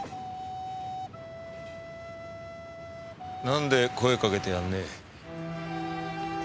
なんで声かけてやんねえ？